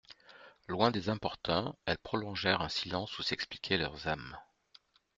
Loin des importuns, elles prolongèrent un silence où s'expliquaient leurs âmes.